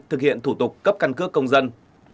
thực hiện thủ tục cấp căn cứ công dân